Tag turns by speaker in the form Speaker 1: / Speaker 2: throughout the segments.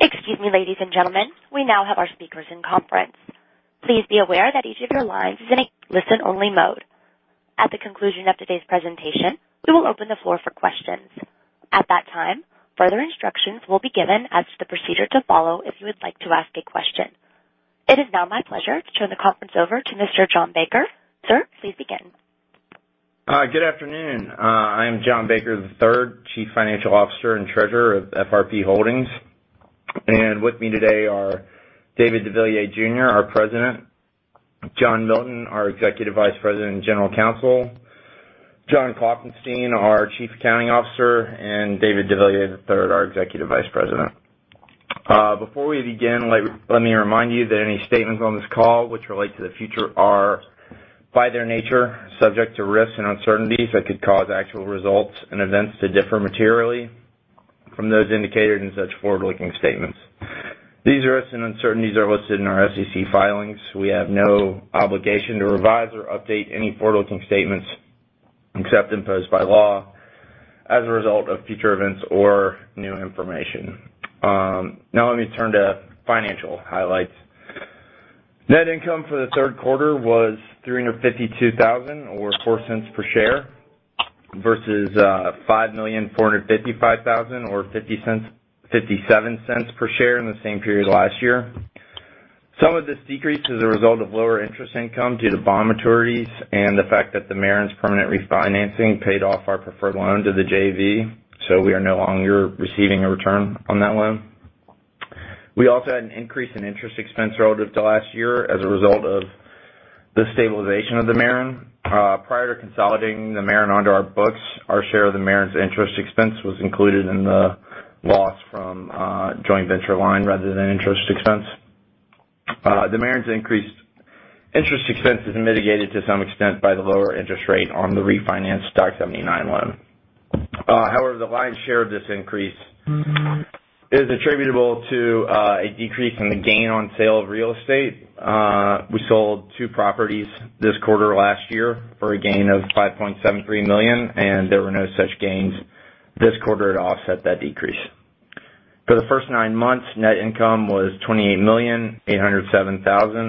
Speaker 1: Excuse me, ladies and gentlemen. We now have our speakers in conference. Please be aware that each of your lines is in a listen-only mode. At the conclusion of today's presentation, we will open the floor for questions. At that time, further instructions will be given as to the procedure to follow if you would like to ask a question. It is now my pleasure to turn the conference over to Mr. John Baker. Sir, please begin.
Speaker 2: Good afternoon. I am John Baker III, Chief Financial Officer and Treasurer of FRP Holdings. With me today are David de Villiers Jr.., our President, John Milton, our Executive Vice President and General Counsel, John Klopfenstein, our Chief Accounting Officer, and David de Villiers III, our Executive Vice President. Before we begin, let me remind you that any statements on this call which relate to the future are, by their nature, subject to risks and uncertainties that could cause actual results and events to differ materially from those indicated in such forward-looking statements. These risks and uncertainties are listed in our SEC filings. We have no obligation to revise or update any forward-looking statements except imposed by law as a result of future events or new information. Now let me turn to financial highlights. Net income for the third quarter was $352,000 or $0.04 per share versus $5,455,000 or $0.57 per share in the same period last year. Some of this decrease is a result of lower interest income due to bond maturities and the fact that the Maren's permanent refinancing paid off our preferred loan to the JV, so we are no longer receiving a return on that loan. We also had an increase in interest expense relative to last year as a result of the stabilization of the Maren. Prior to consolidating the Maren onto our books, our share of the Maren's interest expense was included in the loss from joint venture line rather than interest expense. The Maren's increased interest expense is mitigated to some extent by the lower interest rate on the refinanced Dock 79 loan. However, the lion's share of this increase is attributable to a decrease in the gain on sale of real estate. We sold two properties this quarter last year for a gain of $5.73 million, and there were no such gains this quarter to offset that decrease. For the first nine months, net income was $28.807 million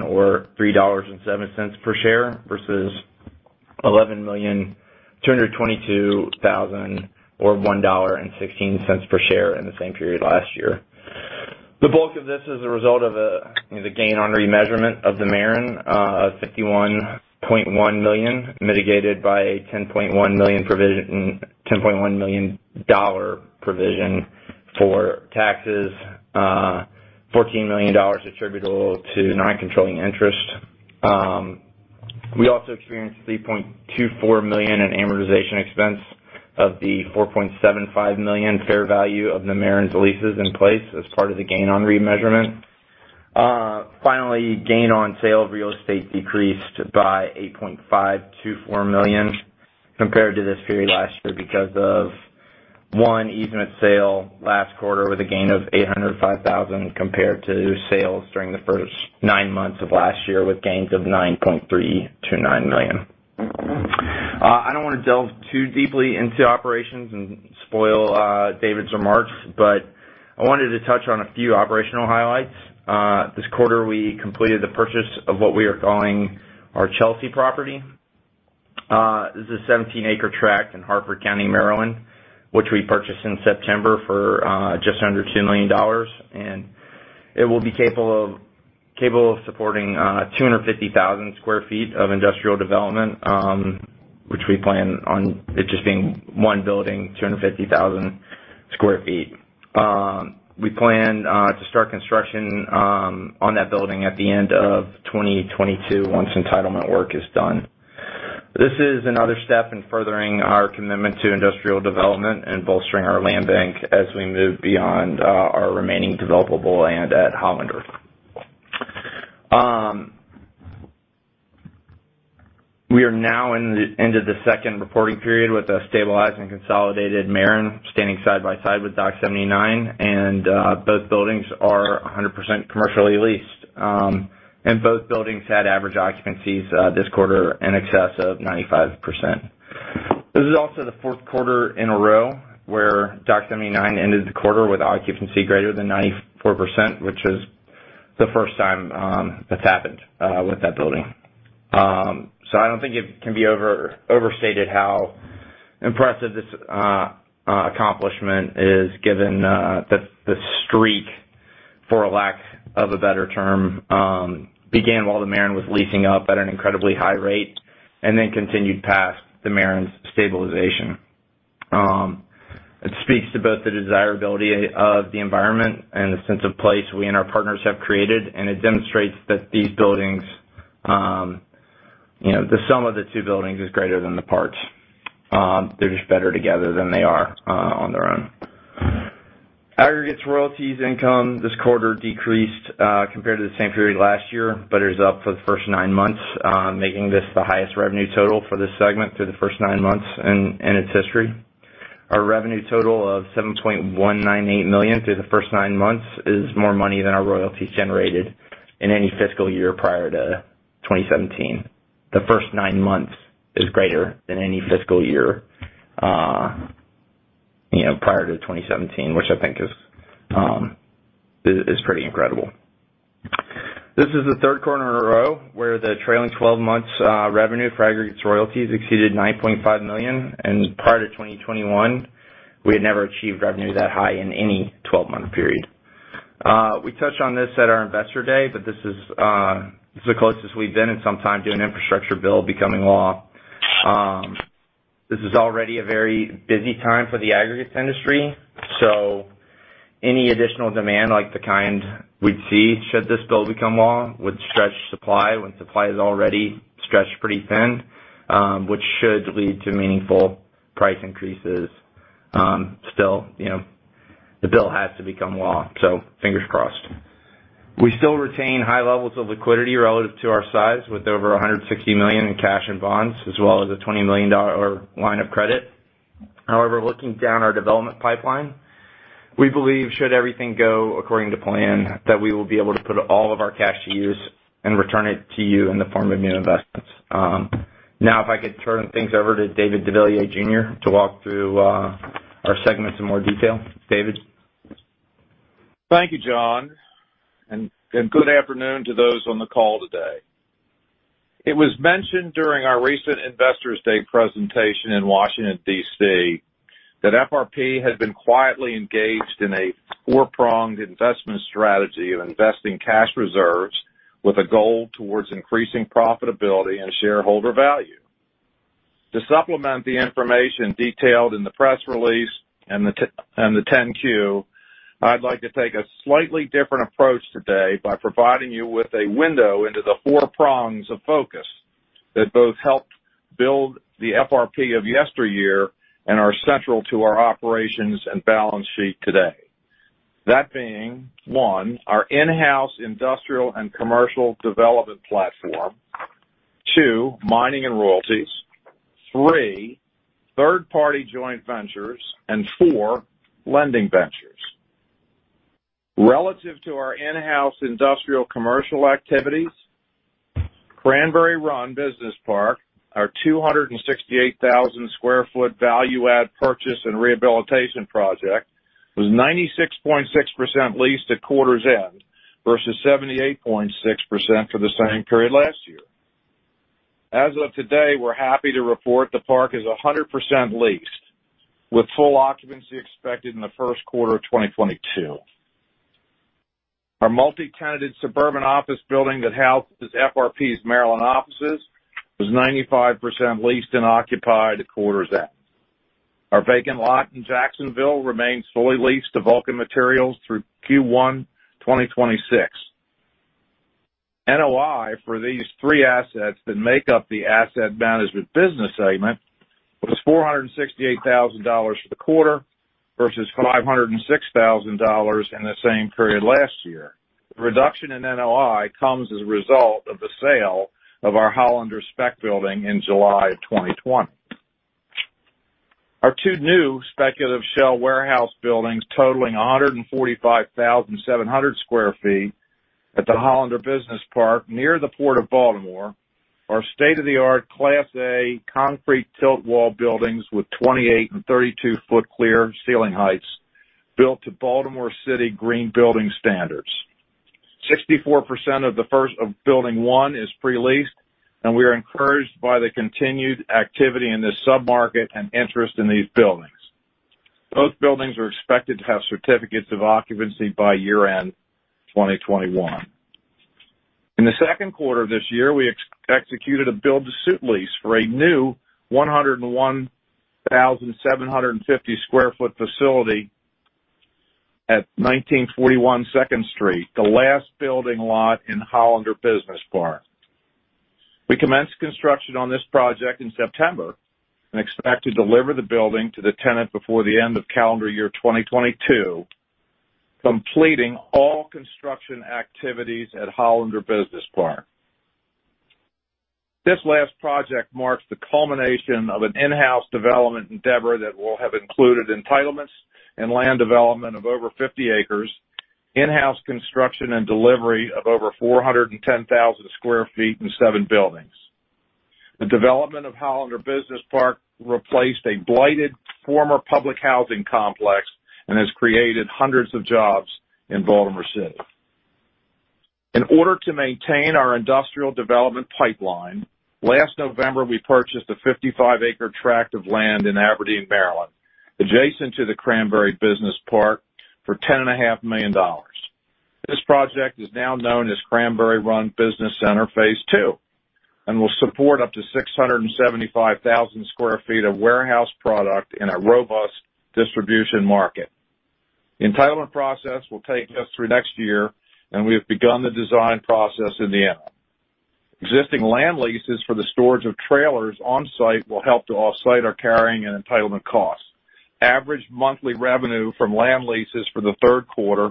Speaker 2: or $3.07 per share versus $11.222 million or $1.16 per share in the same period last year. The bulk of this is a result of the gain on remeasurement of the Maren of $51.1 million, mitigated by a $10.1 million provision, $10.1 million dollar provision for taxes, $14 million attributable to non-controlling interest. We also experienced $3.24 million in amortization expense of the $4.75 million fair value of the Maren's leases in place as part of the gain on remeasurement. Finally, gain on sale of real estate decreased by $8.524 million compared to this period last year because of one easement sale last quarter with a gain of $805,000 compared to sales during the first nine months of last year with gains of $9.3-$9 million. I don't wanna delve too deeply into operations and spoil David's remarks, but I wanted to touch on a few operational highlights. This quarter we completed the purchase of what we are calling our Chelsea property. This is a 17-acre tract in Harford County, Maryland, which we purchased in September for just under $2 million. It will be capable of supporting 250,000 sq ft of industrial development, which we plan on it just being one building, 250,000 sq ft. We plan to start construction on that building at the end of 2022 once entitlement work is done. This is another step in furthering our commitment to industrial development and bolstering our land bank as we move beyond our remaining developable land at Hollander. We are now in the end of the second reporting period with a stabilized and consolidated Maren standing side by side with Dock 79, and both buildings are 100% commercially leased. Both buildings had average occupancies this quarter in excess of 95%. This is also the fourth quarter in a row where Dock 79 ended the quarter with occupancy greater than 94%, which is the first time that's happened with that building. I don't think it can be overstated how impressive this accomplishment is given the streak, for lack of a better term, began while the Maren was leasing up at an incredibly high rate and then continued past the Maren's stabilization. It speaks to both the desirability of the environment and the sense of place we and our partners have created, and it demonstrates that these buildings, you know, the sum of the two buildings is greater than the parts. They're just better together than they are on their own. Aggregates royalties income this quarter decreased compared to the same period last year, but it was up for the first nine months, making this the highest revenue total for this segment through the first nine months in its history. Our revenue total of $7.198 million through the first nine months is more money than our royalties generated in any fiscal year prior to 2017. The first nine months is greater than any fiscal year, you know, prior to 2017, which I think is pretty incredible. This is the third quarter in a row where the trailing twelve months revenue for aggregates royalties exceeded $9.5 million, and prior to 2021, we had never achieved revenue that high in any twelve-month period. We touched on this at our Investor Day, but this is the closest we've been in some time to an infrastructure bill becoming law. This is already a very busy time for the aggregates industry, so any additional demand like the kind we'd see should this bill become law would stretch supply when supply is already stretched pretty thin, which should lead to meaningful price increases. Still, you know, the bill has to become law, so fingers crossed. We still retain high levels of liquidity relative to our size, with over $160 million in cash and bonds, as well as a $20 million line of credit. However, looking down our development pipeline, we believe, should everything go according to plan, that we will be able to put all of our cash to use and return it to you in the form of new investments. Now, if I could turn things over to David deVilliers Jr. to walk through our segments in more detail. David?
Speaker 3: Thank you, John, and good afternoon to those on the call today. It was mentioned during our recent Investor Day presentation in Washington, D.C., that FRP has been quietly engaged in a four-pronged investment strategy of investing cash reserves with a goal towards increasing profitability and shareholder value. To supplement the information detailed in the press release and the 10-Q, I'd like to take a slightly different approach today by providing you with a window into the four prongs of focus that both helped build the FRP of yesteryear and are central to our operations and balance sheet today. That being, one, our in-house industrial and commercial development platform. Two, mining and royalties. Three, third-party joint ventures. And four, lending ventures. Relative to our in-house industrial commercial activities, Cranberry Run Business Park, our 268,000 sq ft value add purchase and rehabilitation project, was 96.6% leased at quarter's end versus 78.6% for the same period last year. As of today, we're happy to report the park is 100% leased, with full occupancy expected in the first quarter of 2022. Our multi-tenanted suburban office building that houses FRP's Maryland offices was 95% leased and occupied at quarter's end. Our vacant lot in Jacksonville remains fully leased to Vulcan Materials through Q1 2026. NOI for these three assets that make up the Asset Management business segment was $468,000 for the quarter versus $506,000 in the same period last year. The reduction in NOI comes as a result of the sale of our Hollander spec building in July of 2020. Our two new speculative shell warehouse buildings totaling 145,700 sq ft at the Hollander Business Park near the Port of Baltimore are state-of-the-art Class A concrete tilt wall buildings with 28- and 32-foot clear ceiling heights built to Baltimore City green building standards. 64% of building one is pre-leased, and we are encouraged by the continued activity in this submarket and interest in these buildings. Both buildings are expected to have certificates of occupancy by year-end 2021. In the second quarter of this year, we executed a build to suit lease for a new 101,750 sq ft facility at 1941 Second Street, the last building lot in Hollander Business Park. We commenced construction on this project in September and expect to deliver the building to the tenant before the end of calendar year 2022, completing all construction activities at Hollander Business Park. This last project marks the culmination of an in-house development endeavor that will have included entitlements and land development of over 50 acres, in-house construction and delivery of over 410,000 sq ft in 7 buildings. The development of Hollander Business Park replaced a blighted former public housing complex and has created hundreds of jobs in Baltimore City. In order to maintain our industrial development pipeline, last November, we purchased a 55-acre tract of land in Aberdeen, Maryland, adjacent to the Cranberry Run Business Park, for $10.5 million. This project is now known as Cranberry Run Business Center Phase Two and will support up to 675,000 sq ft of warehouse product in a robust distribution market. The entitlement process will take us through next year, and we have begun the design process in the end. Existing land leases for the storage of trailers on-site will help to offset our carrying and entitlement costs. Average monthly revenue from land leases for the third quarter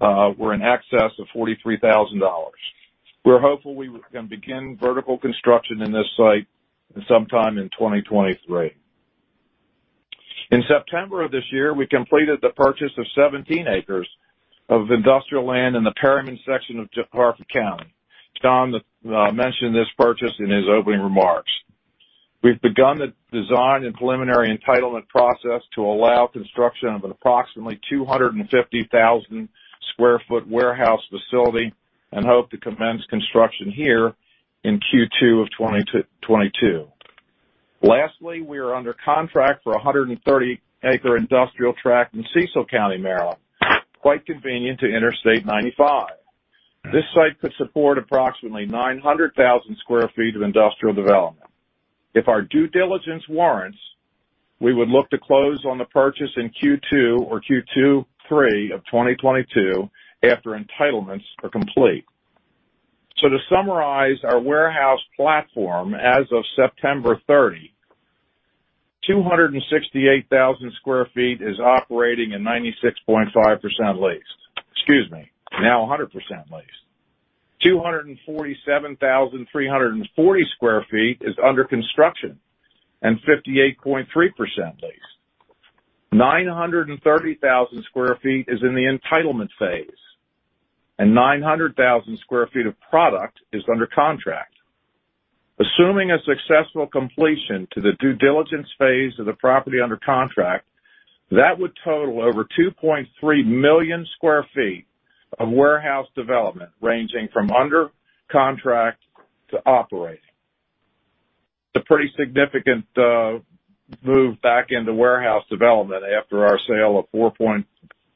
Speaker 3: were in excess of $43,000. We're hopeful we can begin vertical construction in this site sometime in 2023. In September of this year, we completed the purchase of 17 acres of industrial land in the Perryman section of Harford County. John mentioned this purchase in his opening remarks. We've begun the design and preliminary entitlement process to allow construction of an approximately 250,000 sq ft warehouse facility and hope to commence construction here in Q2 of 2022. Lastly, we are under contract for a 130-acre industrial tract in Cecil County, Maryland, quite convenient to Interstate 95. This site could support approximately 900,000 sq ft of industrial development. If our due diligence warrants, we would look to close on the purchase in Q2 or Q2/3 of 2022 after entitlements are complete. To summarize, our warehouse platform as of September 30, 268,000 sq ft is operating at 96.5% leased. Excuse me, now 100% leased. 247,340 sq ft is under construction and 58.3% leased. 930,000 sq ft is in the entitlement phase, and 900,000 sq ft of product is under contract. Assuming a successful completion to the due diligence phase of the property under contract, that would total over 2.3 million sq ft of warehouse development, ranging from under contract to operating. It's a pretty significant move back into warehouse development after our sale of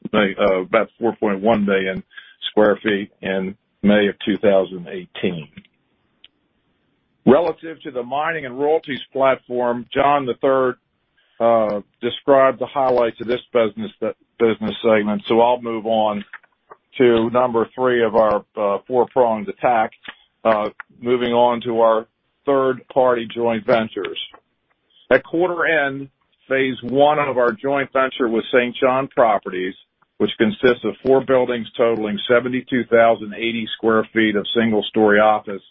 Speaker 3: about 4.1 million sq ft in May of 2018. Relative to the mining and royalties platform, John Baker III described the highlights of this business segment, so I'll move on to number three of our four-pronged attack, moving on to our third-party joint ventures. At quarter end, phase one of our joint venture with St. John Properties, which consists of four buildings totaling 72,080 sq ft of single-story office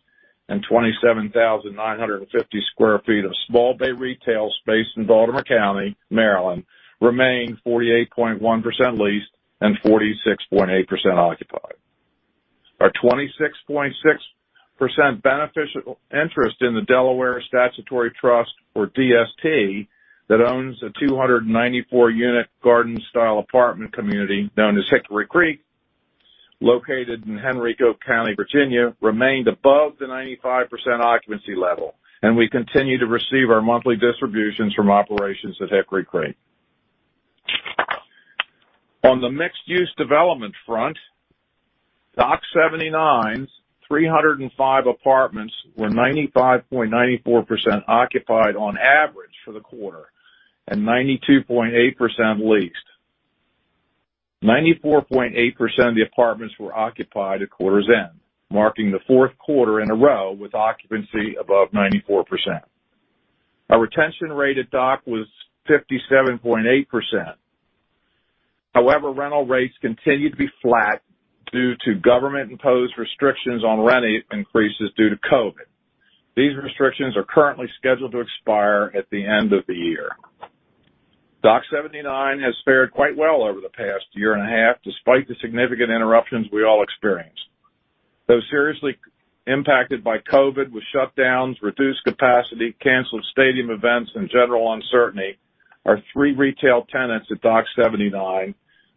Speaker 3: and 27,950 sq ft of small bay retail space in Baltimore County, Maryland, remained 48.1% leased and 46.8% occupied. Our 26.6% beneficial interest in the Delaware Statutory Trust, or DST, that owns a 294-unit garden-style apartment community known as Hickory Creek, located in Henrico County, Virginia, remained above the 95% occupancy level, and we continue to receive our monthly distributions from operations at Hickory Creek. On the mixed-use development front, Dock 79's 305 apartments were 95.94% occupied on average for the quarter and 92.8% leased. 94.8% of the apartments were occupied at quarter's end, marking the fourth quarter in a row with occupancy above 94%. Our retention rate at Dock was 57.8%. However, rental rates continued to be flat due to government-imposed restrictions on rent increases due to COVID. These restrictions are currently scheduled to expire at the end of the year. Dock 79 has fared quite well over the past year and a half, despite the significant interruptions we all experienced. Though seriously impacted by COVID with shutdowns, reduced capacity, canceled stadium events, and general uncertainty, our three retail tenants at Dock 79,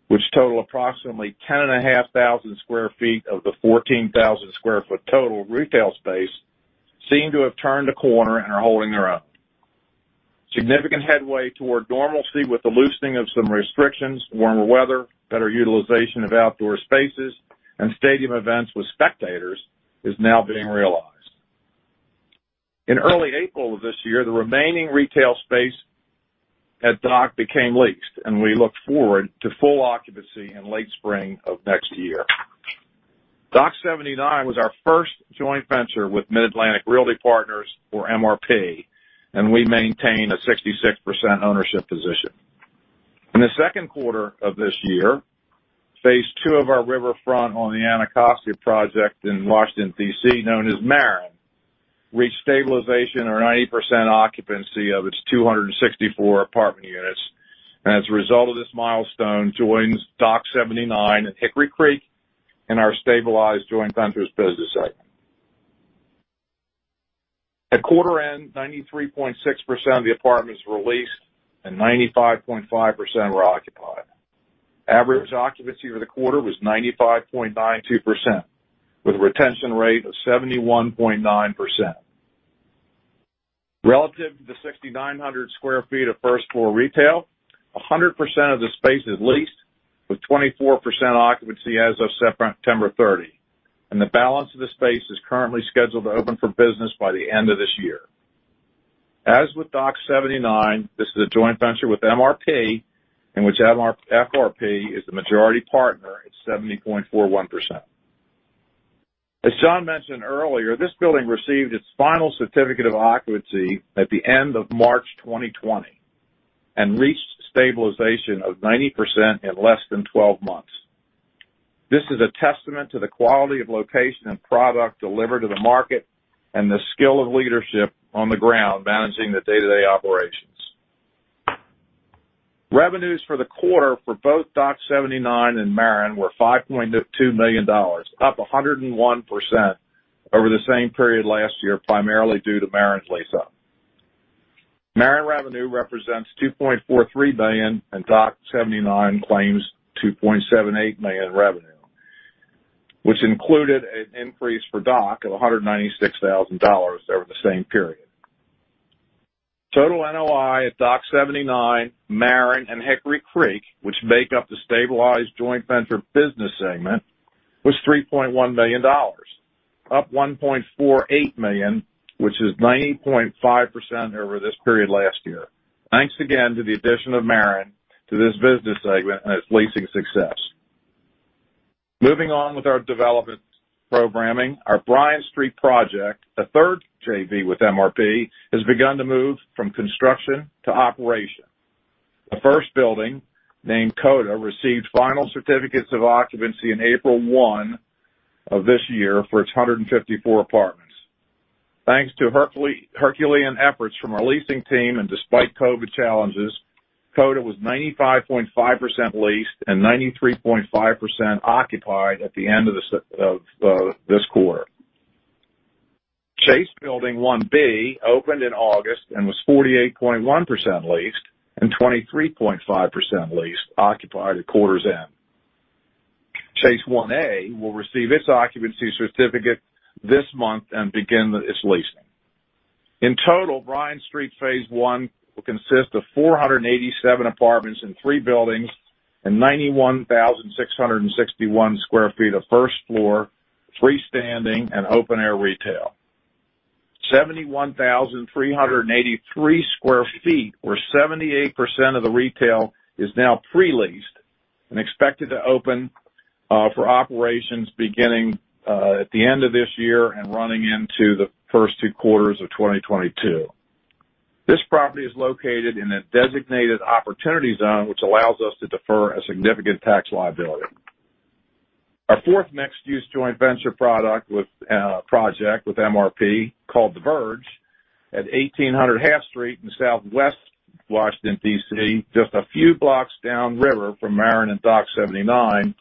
Speaker 3: which total approximately 10,500 sq ft of the 14,000 sq ft total retail space, seem to have turned a corner and are holding their own. Significant headway toward normalcy with the loosening of some restrictions, warmer weather, better utilization of outdoor spaces, and stadium events with spectators is now being realized. In early April of this year, the remaining retail space at Dock 79 became leased, and we look forward to full occupancy in late spring of next year. Dock 79 was our first joint venture with MidAtlantic Realty Partners or MRP, and we maintain a 66% ownership position. In the second quarter of this year, phase two of our riverfront on the Anacostia project in Washington, D.C., known as Maren, reached stabilization or 90% occupancy of its 264 apartment units, and as a result of this milestone, joins Dock 79 and Hickory Creek in our stabilized joint ventures business segment. At quarter end, 93.6% of the apartments were leased and 95.5% were occupied. Average occupancy for the quarter was 95.92% with a retention rate of 71.9%. Relative to the 6,900 sq ft of first floor retail, 100% of the space is leased with 24% occupancy as of September 30, and the balance of the space is currently scheduled to open for business by the end of this year. As with Dock 79, this is a joint venture with MRP, in which MRP-FRP is the majority partner at 70.41%. As John mentioned earlier, this building received its final certificate of occupancy at the end of March 2020 and reached stabilization of 90% in less than 12 months. This is a testament to the quality of location and product delivered to the market and the skill of leadership on the ground managing the day-to-day operations. Revenues for the quarter for both Dock 79 and Maren were $5.2 million, up 101% over the same period last year, primarily due to Maren's lease-up. Maren revenue represents $2.43 million, and Dock 79 had $2.78 million revenue, which included an increase for Dock of $196,000 over the same period. Total NOI at Dock 79, Maren, and Hickory Creek, which make up the stabilized joint venture business segment, was $3.1 million, up $1.48 million, which is 90.5% over this period last year. Thanks again to the addition of Maren to this business segment and its leasing success. Moving on with our development programming. Our Bryant Street project, the third JV with MRP, has begun to move from construction to operation. The first building, named Coda, received final certificates of occupancy in April 2021 for its 154 apartments. Thanks to herculean efforts from our leasing team and despite COVID challenges, Coda was 95.5% leased and 93.5% occupied at the end of this quarter. Chase Building 1B opened in August and was 48.1% leased and 23.5% leased occupied at quarter's end. The Chase 1A will receive its occupancy certificate this month and begin its leasing. In total, Bryant Street phase one will consist of 487 apartments in three buildings and 91,661 sq ft of first-floor freestanding and open-air retail. 71,383 sq ft, where 78% of the retail is now pre-leased and expected to open for operations beginning at the end of this year and running into the first two quarters of 2022. This property is located in a designated Opportunity Zone which allows us to defer a significant tax liability. Our fourth mixed-use joint venture product with project with MRP, called The Verge, at 1,800 Half Street in Southwest Washington, D.C., just a few blocks down river from Maren and Dock 79,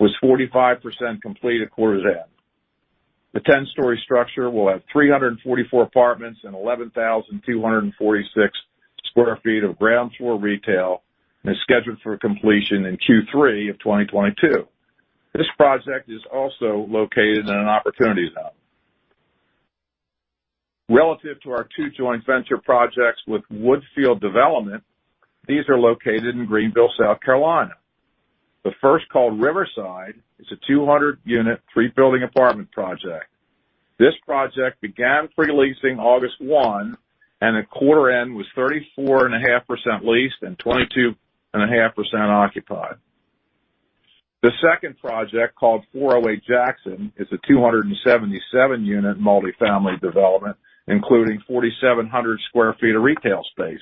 Speaker 3: was 45% complete at quarter's end. The ten-story structure will have 344 apartments and 11,246 sq ft of ground floor retail and is scheduled for completion in Q3 of 2022. This project is also located in an Opportunity Zone. Relative to our two joint venture projects with Woodfield Development, these are located in Greenville, South Carolina. The first called Riverside, is a 200-unit three-building apartment project. This project began pre-leasing August 1, and at quarter end was 34.5% leased and 22.5% occupied. The second project, called 408 Jackson, is a 277-unit multi-family development, including 4,700 sq ft of retail space.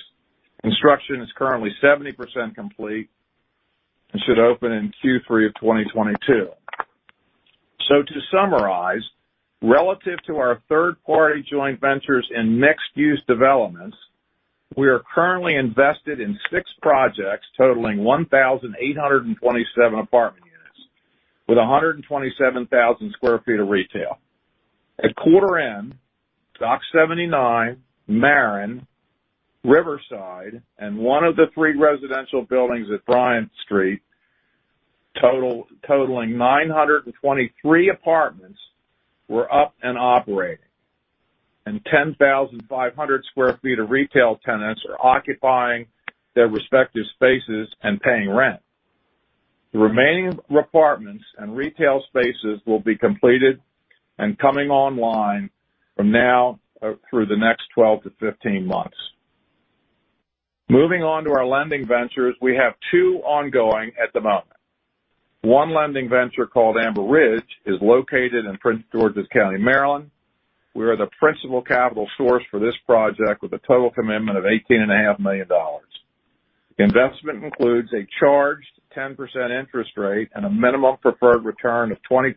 Speaker 3: Construction is currently 70% complete and should open in Q3 of 2022. To summarize, relative to our third-party joint ventures and mixed use developments, we are currently invested in six projects totaling 1,827 apartment units with 127,000 sq ft of retail. At quarter end, Dock 79, Maren, Riverside, and one of the three residential buildings at Bryant Street totaling 923 apartments were up and operating, and 10,500 sq ft of retail. Tenants are occupying their respective spaces and paying rent. The remaining apartments and retail spaces will be completed and coming online from now through the next 12 to 15 months. Moving on to our lending ventures. We have two ongoing at the moment. One lending venture, called Amber Ridge, is located in Prince George's County, Maryland. We are the principal capital source for this project with a total commitment of $18.5 million. Investment includes a charged 10% interest rate and a minimum preferred return of 20%,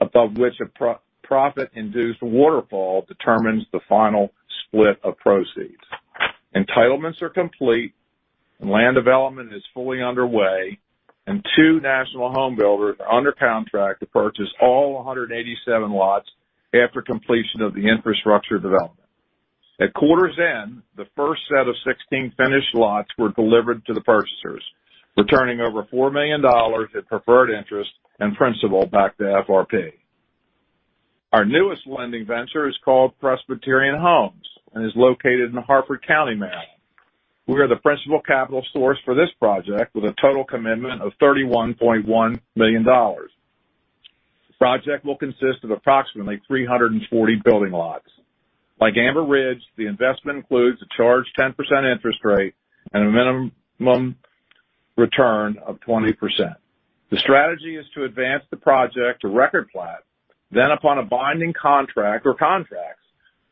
Speaker 3: above which a profit-induced waterfall determines the final split of proceeds. Entitlements are complete, and land development is fully underway, and two national home builders are under contract to purchase all 187 lots after completion of the infrastructure development. At quarter's end, the first set of 16 finished lots were delivered to the purchasers, returning over $4 million at preferred interest and principal back to FRP. Our newest lending venture is called Presbyterian Home and is located in Harford County, Maryland. We are the principal capital source for this project with a total commitment of $31.1 million. The project will consist of approximately 340 building lots. Like Amber Ridge, the investment includes a charged 10% interest rate and a minimum return of 20%. The strategy is to advance the project to record plat, then upon a binding contract or contracts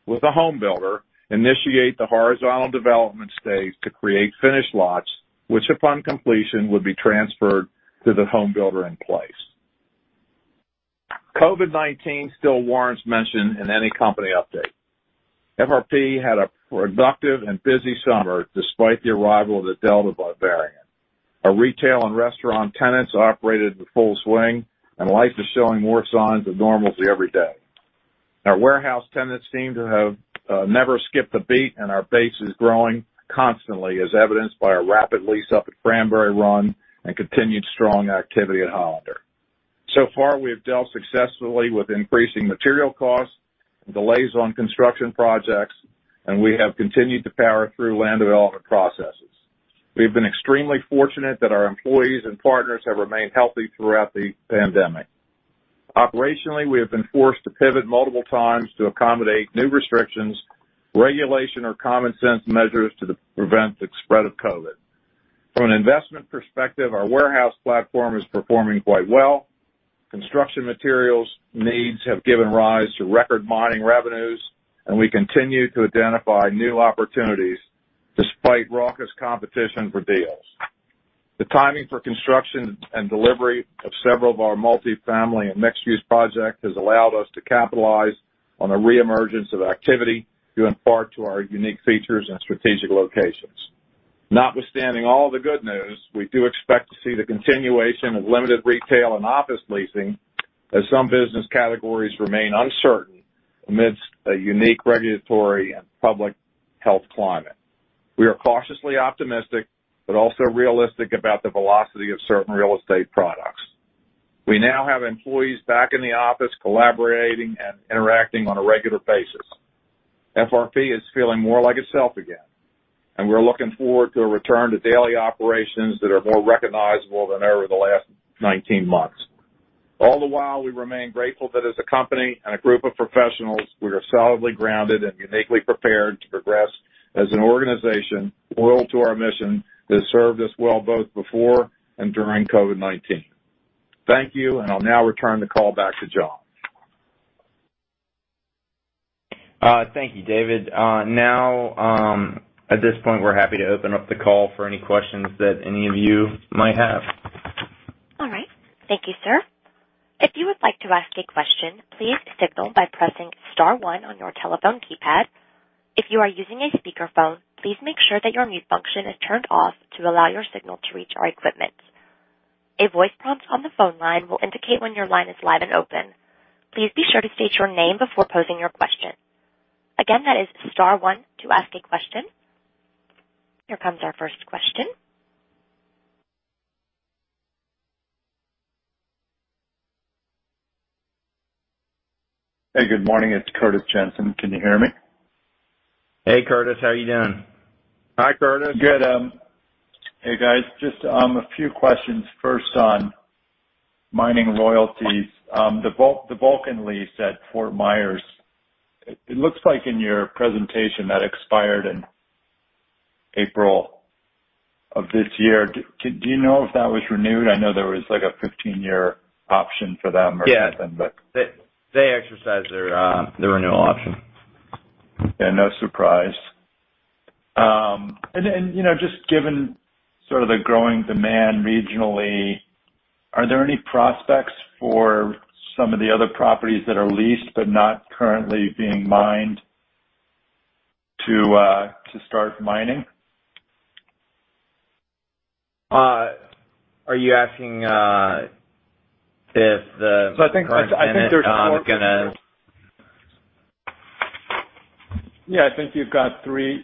Speaker 3: with a home builder, initiate the horizontal development stage to create finished lots, which upon completion, would be transferred to the home builder in place. COVID-19 still warrants mention in any company update. FRP had a productive and busy summer despite the arrival of the Delta variant. Our retail and restaurant tenants operated in full swing, and life is showing more signs of normalcy every day. Our warehouse tenants seem to have never skipped a beat, and our base is growing constantly, as evidenced by a rapid lease up at Cranberry Run and continued strong activity at Hollander. So far, we have dealt successfully with increasing material costs, delays on construction projects, and we have continued to power through land development processes. We've been extremely fortunate that our employees and partners have remained healthy throughout the pandemic. Operationally, we have been forced to pivot multiple times to accommodate new restrictions, regulation, or common sense measures to prevent the spread of COVID. From an investment perspective, our warehouse platform is performing quite well. Construction materials needs have given rise to record mining revenues, and we continue to identify new opportunities despite raucous competition for deals. The timing for construction and delivery of several of our multi-family and mixed-use project has allowed us to capitalize on the reemergence of activity due in part to our unique features and strategic locations. Notwithstanding all the good news, we do expect to see the continuation of limited retail and office leasing as some business categories remain uncertain amidst a unique regulatory and public health climate. We are cautiously optimistic but also realistic about the velocity of certain real estate products. We now have employees back in the office collaborating and interacting on a regular basis. FRP is feeling more like itself again, and we're looking forward to a return to daily operations that are more recognizable than ever the last 19 months. All the while, we remain grateful that as a company and a group of professionals, we are solidly grounded and uniquely prepared to progress as an organization loyal to our mission that served us well both before and during COVID-19. Thank you, and I'll now return the call back to John.
Speaker 2: Thank you, David. Now, at this point, we're happy to open up the call for any questions that any of you might have.
Speaker 1: All right. Thank you, sir. If you would like to ask a question, please signal by pressing star one on your telephone keypad. If you are using a speakerphone, please make sure that your mute function is turned off to allow your signal to reach our equipment. A voice prompt on the phone line will indicate when your line is live and open. Please be sure to state your name before posing your question. Again, that is star one to ask a question. Here comes our first question.
Speaker 4: Hey, good morning. It's Curtis Jensen. Can you hear me?
Speaker 2: Hey, Curtis. How you doing?
Speaker 3: Hi, Curtis.
Speaker 4: Good. Hey, guys. Just a few questions first on mining royalties. The Vulcan lease at Fort Myers, it looks like in your presentation that expired in April of this year. Do you know if that was renewed? I know there was like a 15-year option for them or something.
Speaker 2: Yeah. They exercised their renewal option.
Speaker 4: Yeah, no surprise. You know, just given sort of the growing demand regionally, are there any prospects for some of the other properties that are leased but not currently being mined to start mining?
Speaker 2: Are you asking if the tenant are gonna-
Speaker 4: Yeah, I think you've got three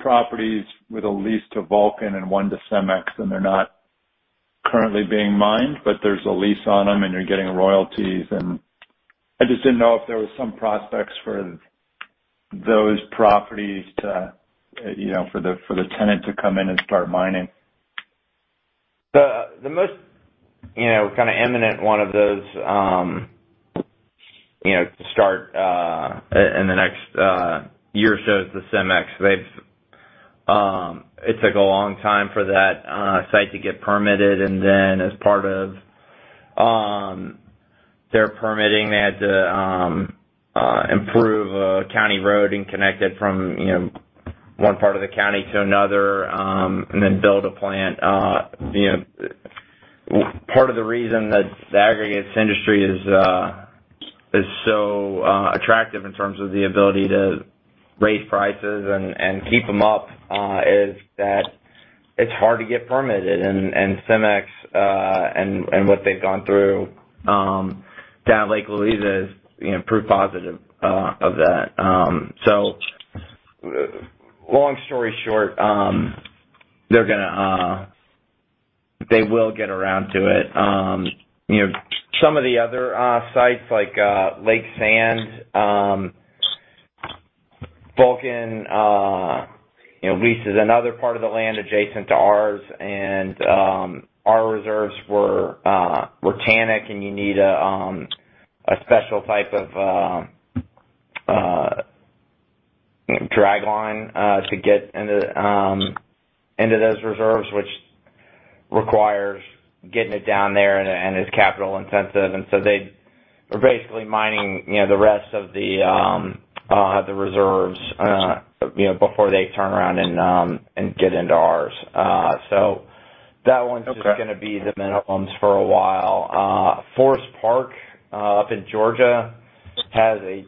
Speaker 4: properties with a lease to Vulcan and one to Cemex, and they're not currently being mined, but there's a lease on them, and you're getting royalties. I just didn't know if there was some prospects for those properties to, you know, for the tenant to come in and start mining.
Speaker 2: The most, you know, kinda imminent one of those, you know, to start in the next year or so is the Cemex. It took a long time for that site to get permitted, and then as part of their permitting, they had to improve a county road and connect it from, you know, one part of the county to another, and then build a plant. You know, part of the reason that the aggregates industry is so attractive in terms of the ability to raise prices and keep them up is that it's hard to get permitted. Cemex and what they've gone through down at Lake Louisa is, you know, proof positive of that. Long story short, they're gonna They will get around to it. You know, some of the other sites like Lake Sand, Vulcan leases another part of the land adjacent to ours and our reserves were tannic, and you need a special type of dragline to get into those reserves, which requires getting it down there and is capital intensive. They are basically mining the rest of the reserves, you know, before they turn around and get into ours. So that one's just gonna be the minimums for a while. Forest Park up in Georgia has a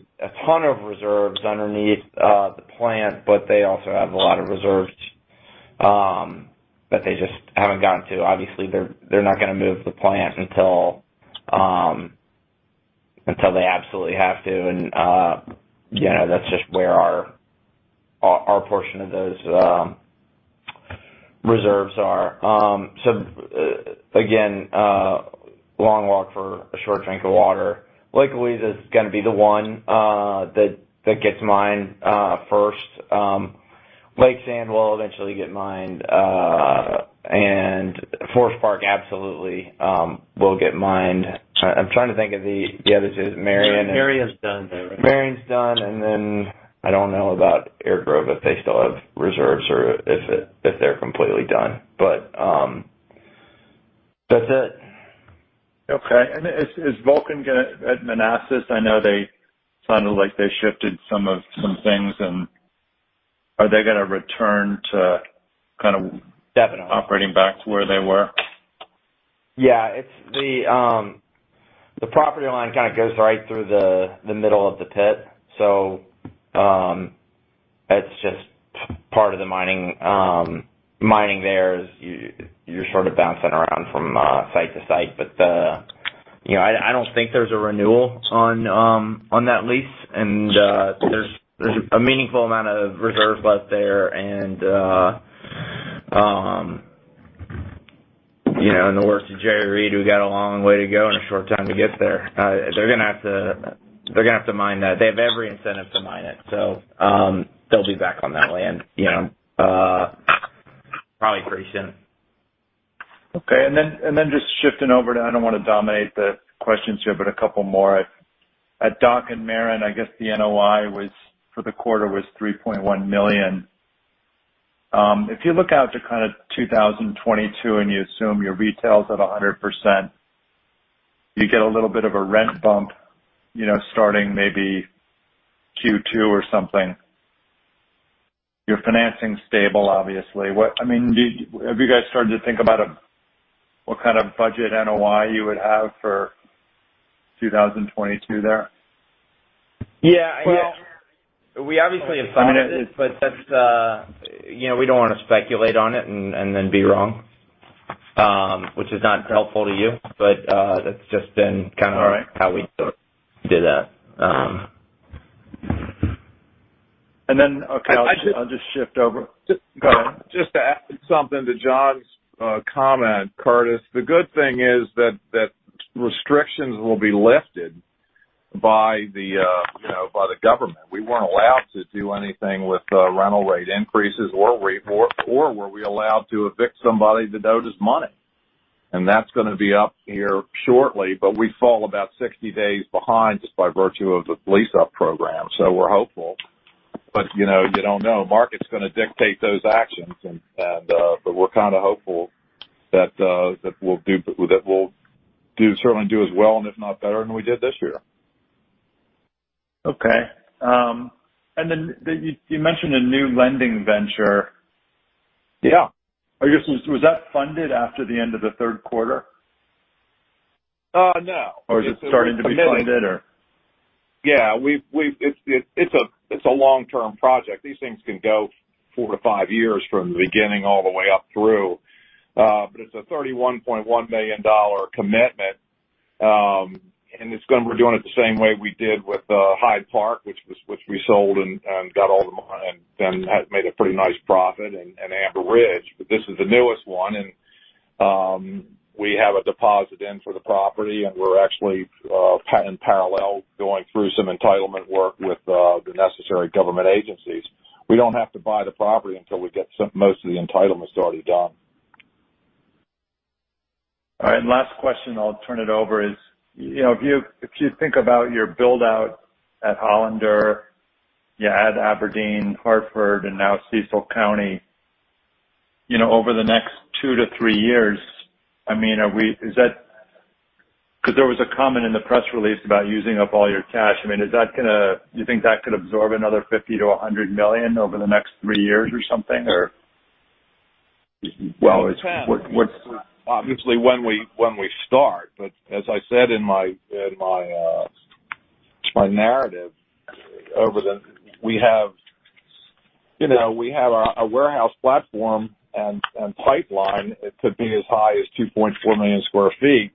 Speaker 2: ton of reserves underneath the plant, but they also have a lot of reserves that they just haven't gotten to. Obviously, they're not gonna move the plant until they absolutely have to. You know, that's just where our portion of those reserves are. Again, long walk for a short drink of water. Lake Louisa is gonna be the one that gets mined first. Lake Sand will eventually get mined, and Forest Park absolutely will get mined. I'm trying to think of the. Yeah, this is Marion and-
Speaker 4: Maren's done.
Speaker 2: Maren's done. I don't know about Airdrome, if they still have reserves or if they're completely done, but that's it.
Speaker 4: Okay. Is Vulcan gonna at Manassas? I know they sounded like they shifted some things and are they gonna return to kind of-
Speaker 2: Definitely.
Speaker 4: operating back to where they were?
Speaker 2: Yeah. It's the property line kind of goes right through the middle of the pit. It's just part of the mining. Mining there is you're sort of bouncing around from site to site. But you know, I don't think there's a renewal on that lease. There's a meaningful amount of reserve left there. You know, in the words of Jerry Reed, we got a long way to go and a short time to get there. They're gonna have to mine that. They have every incentive to mine it. They'll be back on that land, you know, probably pretty soon.
Speaker 4: Just shifting over to. I don't want to dominate the questions here, but a couple more. At Dock and Maren, I guess the NOI was for the quarter $3.1 million. If you look out to kind of 2022, and you assume your retail's at 100%, you get a little bit of a rent bump, you know, starting maybe Q2 or something. Your financing's stable, obviously. I mean, have you guys started to think about what kind of budget NOI you would have for 2022 there?
Speaker 2: Yeah. Well, we obviously have planned it, but that's. You know, we don't wanna speculate on it and then be wrong, which is not helpful to you. That's just been kind of
Speaker 4: All right.
Speaker 2: how we sort of do that.
Speaker 4: Okay. I'll just shift over.
Speaker 3: Just-
Speaker 4: Go ahead.
Speaker 3: Just to add something to John's comment, Curtis. The good thing is that restrictions will be lifted by the, you know, by the government. We weren't allowed to do anything with rental rate increases or were we allowed to evict somebody that owed us money. That's gonna be up here shortly, but we fall about 60 days behind just by virtue of the lease-up program. We're hopeful. You know, you don't know. Market's gonna dictate those actions but we're kind of hopeful that we'll certainly do as well, and if not better than we did this year.
Speaker 4: Okay. You mentioned a new lending venture.
Speaker 3: Yeah.
Speaker 4: Was that funded after the end of the third quarter?
Speaker 3: No.
Speaker 4: Is it starting to be funded or?
Speaker 3: Yeah. It's a long-term project. These things can go 4-5 years from the beginning all the way up through. It's a $31.1 million commitment. It's gonna. We're doing it the same way we did with Hyde Park, which we sold and got all the money, and then had made a pretty nice profit, and Amber Ridge. This is the newest one, and we have a deposit in for the property, and we're actually kind of in parallel going through some entitlement work with the necessary government agencies. We don't have to buy the property until we get most of the entitlements already done.
Speaker 4: All right. Last question, I'll turn it over, is, you know, if you think about your build-out at Hollander, you add Aberdeen, Harford, and now Cecil County, you know, over the next 2-3 years, I mean, is that? 'Cause there was a comment in the press release about using up all your cash. I mean, is that gonna? Do you think that could absorb another $50 million-$100 million over the next three years or something, or?
Speaker 3: Well, it's what
Speaker 2: It can.
Speaker 3: Obviously, when we start, but as I said in my narrative. We have, you know, a warehouse platform and pipeline to be as high as 2.4 million sq ft.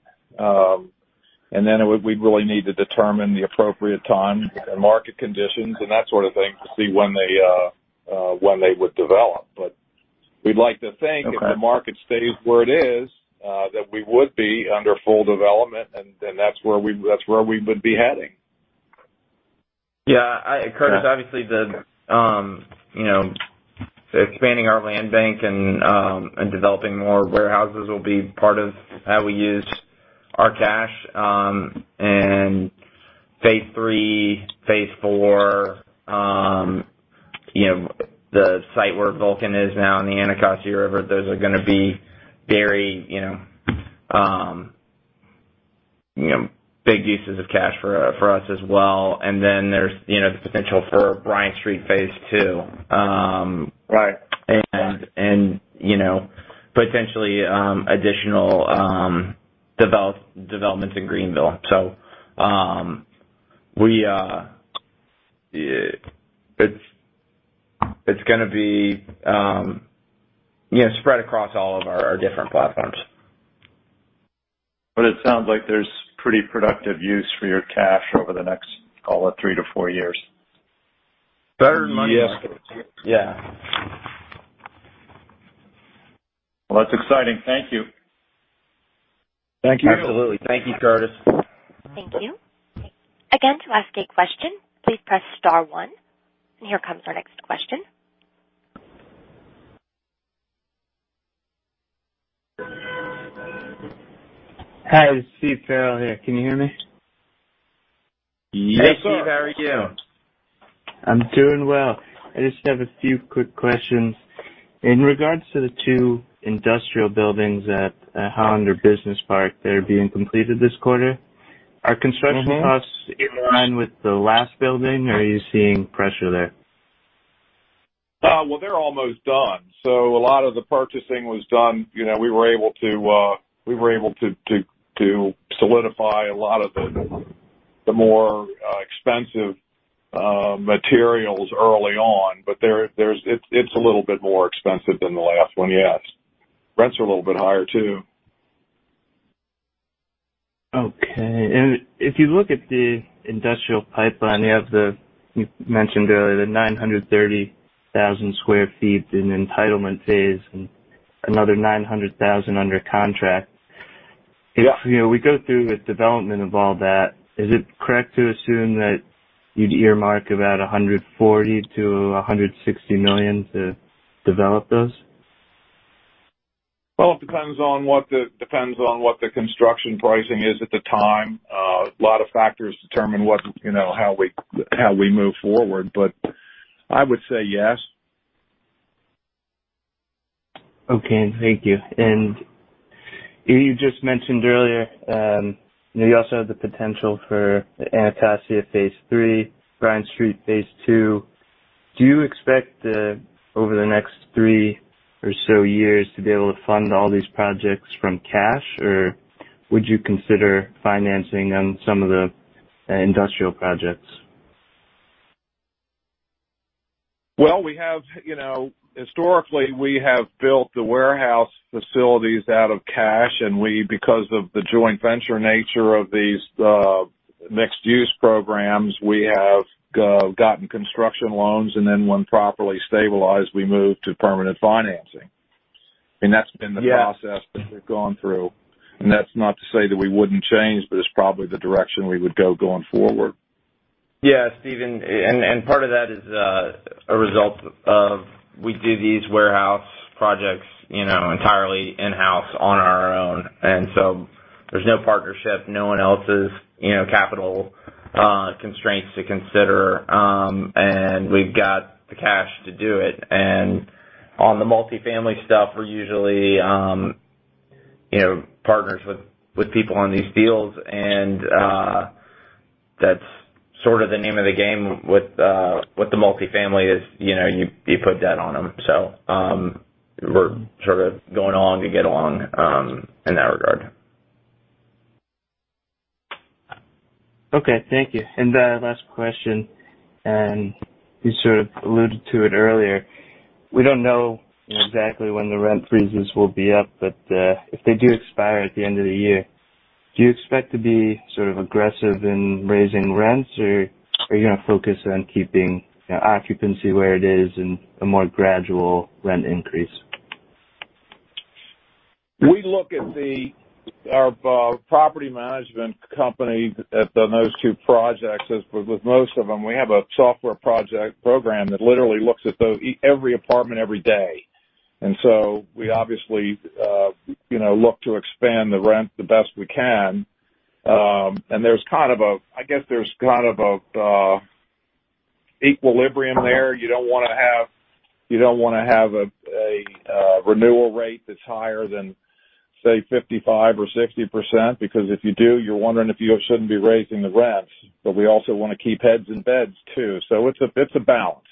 Speaker 3: And then we'd really need to determine the appropriate time and market conditions and that sort of thing to see when they would develop. We'd like to think-
Speaker 4: Okay.
Speaker 3: If the market stays where it is, that we would be under full development and then that's where we would be heading.
Speaker 2: Yeah. I, Curtis, obviously you know, expanding our land bank and developing more warehouses will be part of how we use our cash in phase three, phase four. You know, the site where Vulcan is now and the Anacostia River, those are gonna be very you know big uses of cash for us as well. There's you know, the potential for Bryant Street Phase Two.
Speaker 3: Right.
Speaker 2: You know, potentially additional developments in Greenville. It's gonna be you know spread across all of our different platforms.
Speaker 4: It sounds like there's pretty productive use for your cash over the next, call it 3-4 years.
Speaker 3: Better than money market.
Speaker 2: Yes. Yeah.
Speaker 4: Well, that's exciting. Thank you.
Speaker 3: Thank you.
Speaker 2: Absolutely. Thank you, Curtis.
Speaker 1: Thank you. Again, to ask a question, please press star one. And here comes our next question.
Speaker 5: Hi, this is Steve Farrell here. Can you hear me?
Speaker 3: Yes, sir.
Speaker 2: Hey, Steve, how are you?
Speaker 5: I'm doing well. I just have a few quick questions. In regards to the two industrial buildings at Hollander Business Park that are being completed this quarter.
Speaker 3: Mm-hmm.
Speaker 5: Are construction costs in line with the last building, or are you seeing pressure there?
Speaker 3: Well, they're almost done. A lot of the purchasing was done. You know, we were able to solidify a lot of the more expensive materials early on. It's a little bit more expensive than the last one, yes. Rents are a little bit higher too.
Speaker 5: Okay. If you look at the industrial pipeline, you have the, you mentioned earlier the 930,000 sq ft in entitlement phase and another 900,000 under contract.
Speaker 3: Yeah.
Speaker 5: You know, we go through the development of all that, is it correct to assume that you'd earmark about $140 million-$160 million to develop those?
Speaker 3: Well, it depends on what the construction pricing is at the time. A lot of factors determine what, you know, how we move forward, but I would say yes.
Speaker 5: Okay. Thank you. You just mentioned earlier, you also have the potential for the Anacostia Phase Three, Bryant Street Phase Two. Do you expect, over the next three or so years to be able to fund all these projects from cash, or would you consider financing on some of the industrial projects?
Speaker 3: Well, we have, you know, historically, we have built the warehouse facilities out of cash, and we, because of the joint venture nature of these, mixed-use programs, we have, gotten construction loans, and then when properly stabilized, we move to permanent financing. That's been.
Speaker 2: Yeah.
Speaker 3: the process that we've gone through. That's not to say that we wouldn't change, but it's probably the direction we would go going forward.
Speaker 2: Yeah, Steve, and part of that is a result of we do these warehouse projects, you know, entirely in-house on our own. There's no partnership, no one else's capital constraints to consider, and we've got the cash to do it. On the multifamily stuff, we're usually, you know, partners with people on these deals, and that's sort of the name of the game with the multifamily. You know, you put debt on them. We're sort of going along to get along in that regard.
Speaker 5: Okay. Thank you. Last question, and you sort of alluded to it earlier. We don't know, you know, exactly when the rent freezes will be up, but, if they do expire at the end of the year, do you expect to be sort of aggressive in raising rents, or are you gonna focus on keeping occupancy where it is and a more gradual rent increase?
Speaker 3: We look at our property management company at those two projects, as with most of them, we have a software program that literally looks at every apartment every day. We obviously, you know, look to expand the rent the best we can. I guess there's kind of an equilibrium there. You don't wanna have a renewal rate that's higher than, say, 55% or 60%, because if you do, you're wondering if you shouldn't be raising the rents. We also wanna keep heads in beds too. It's a balance.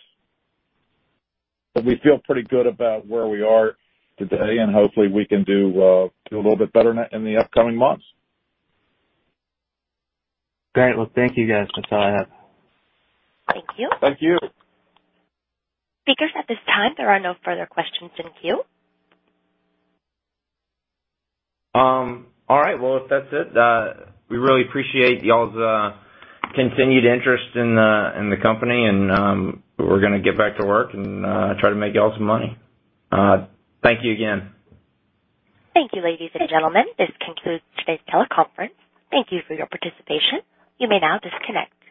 Speaker 3: We feel pretty good about where we are today, and hopefully, we can do a little bit better in the upcoming months.
Speaker 5: Great. Well, thank you guys. That's all I have.
Speaker 1: Thank you.
Speaker 3: Thank you.
Speaker 1: Speakers, at this time, there are no further questions in queue.
Speaker 2: All right. Well, if that's it, we really appreciate y'all's continued interest in the company, and we're gonna get back to work and try to make y'all some money. Thank you again.
Speaker 1: Thank you, ladies and gentlemen. This concludes today's teleconference. Thank you for your participation. You may now disconnect.